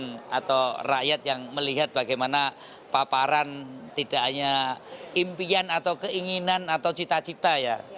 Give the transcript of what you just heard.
atau rakyat yang melihat bagaimana paparan tidak hanya impian atau keinginan atau cita cita ya